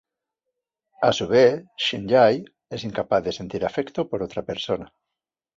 A su vez, Shinji es incapaz de sentir afecto por otra persona.